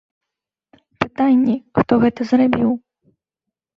Пытанні, хто гэта зрабіў.